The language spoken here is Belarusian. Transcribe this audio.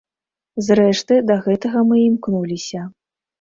Зрэшты, да гэтага мы і імкнуліся.